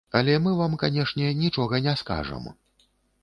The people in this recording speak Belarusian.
Але мы вам, канешне, нічога не скажам.